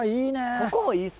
ここもいいっすね。